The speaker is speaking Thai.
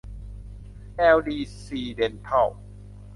แอลดีซี เด็นทัล